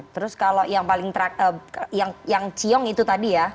terus kalau yang paling yang ciong itu tadi ya